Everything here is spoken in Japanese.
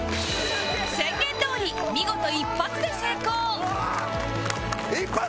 宣言どおり見事一発で成功